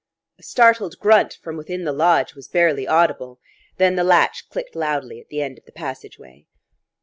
_" A startled grunt from within the lodge was barely audible. Then the latch clicked loudly at the end of the passageway.